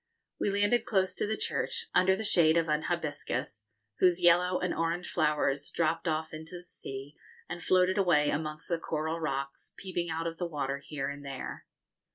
We landed close to the church, under the shade of an hibiscus, whose yellow and orange flowers dropped off into the sea and floated away amongst the coral rocks, peeping out of the water here and there.